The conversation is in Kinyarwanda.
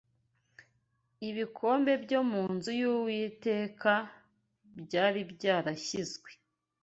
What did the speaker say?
ibikombe byo mu nzu y’Uwiteka byari byarashyizwe